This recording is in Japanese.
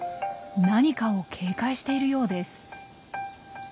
何かを警戒しているようです。